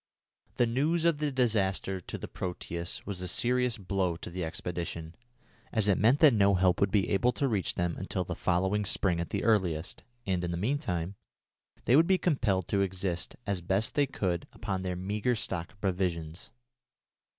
The news of the disaster to the Proteus was a serious blow to the expedition, as it meant that no help would be able to reach them until the following spring at the earliest, and, in the meantime, they would be compelled to exist as best they could upon their meagre stock of provisions.